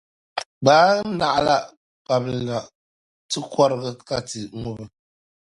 gbaai naɣila’ kpabili na ti kɔrigi ka ti ŋubi.